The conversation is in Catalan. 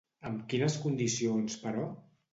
Amb quines condicions, però?